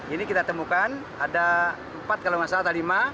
ini kita temukan ada empat kalau nggak salah ada lima